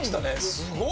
すごい！